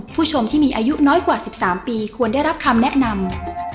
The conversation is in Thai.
ผู้ชมที่มีอายุน้อยกว่า๑๓ปีควรได้รับคำแนะนำ